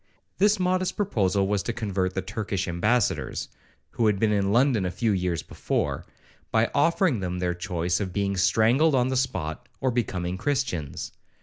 '—This modest proposal was, to convert the Turkish ambassadors, (who had been in London a few years before), by offering them their choice of being strangled on the spot, or becoming Christians.